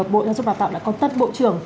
bộ giáo dục đặc tạo đã có tất bộ trưởng